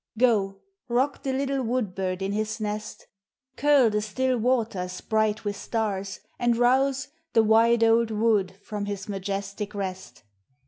Go, rock the little wood bird in his nest ; Curl the still waters, bright with stars; and rouse The wide old wood from his majestic rest.